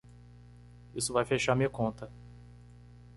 Isso vai fechar minha conta.